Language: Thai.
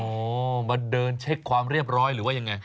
โอ้โหมาเดินเช็คความเรียบร้อยหรือว่ายังไง